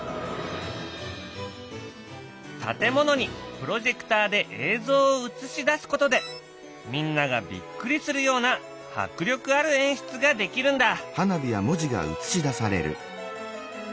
建物にプロジェクターで映像を映し出すことでみんながびっくりするような迫力ある演出ができるんだ。